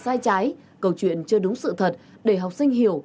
sai trái câu chuyện chưa đúng sự thật để học sinh hiểu